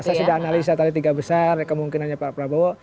saya sudah analisa tadi tiga besar kemungkinannya pak prabowo